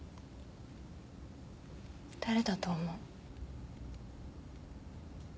誰だと思う？